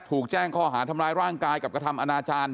ถูกแจ้งข้อหาทำร้ายร่างกายกับกระทำอนาจารย์